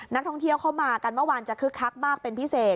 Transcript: นักท่องเที่ยวเข้ามากันเมื่อวานจะคึกคักมากเป็นพิเศษ